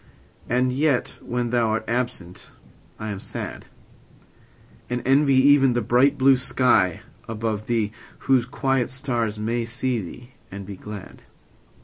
And yet when thou art absent I am sad; And envy even the bright blue sky above thee, Whose quiet stars may see thee and be glad.